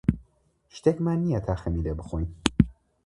شتێکمان نییە تا خەمی لێ بخۆین.